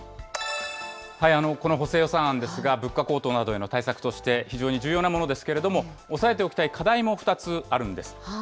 この補正予算案ですが、物価高騰などへの対策として非常に重要なものですけれども、押さえておきたい課題も２つあるんです。